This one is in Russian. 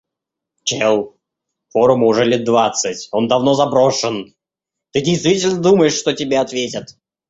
Чел, форуму уже лет двадцать. Он давно заброшен. Ты действительно думаешь, что тебе ответят?